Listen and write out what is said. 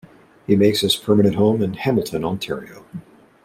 He makes his permanent home in Hamilton, Ontario.